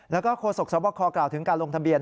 แล้วก็โครสกสวัสดิ์คอกล่าวถึงการลงทะเบียน